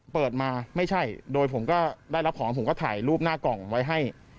เปิดมาไม่ใช่โดยผมก็ได้รับของผมก็ถ่ายรูปหน้ากล่องไว้ให้